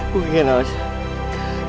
gua gagal menangkap hasilnya